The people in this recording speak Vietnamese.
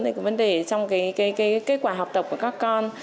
đến cái vấn đề trong cái kết quả học tập của các con